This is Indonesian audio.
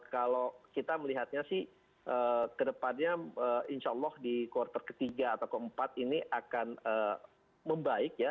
kalau kita melihatnya sih kedepannya insya allah di kuartal ketiga atau keempat ini akan membaik ya